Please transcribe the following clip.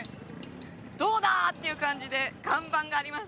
どうだ！っていう感じで看板がありますよ